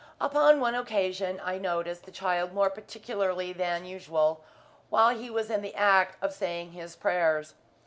Upon one occasion I noticed the child more particularly than usual while he was in the act of saying his prayers.